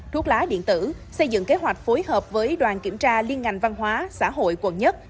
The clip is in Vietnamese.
thuốc lá điện tử xây dựng kế hoạch phối hợp với đoàn kiểm tra liên ngành văn hóa xã hội quận một